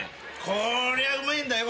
こりゃうまいんだよ。